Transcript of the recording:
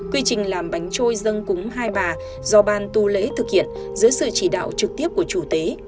quy trình làm bánh trôi dân cúng hai bà do ban tu lễ thực hiện dưới sự chỉ đạo trực tiếp của chủ tế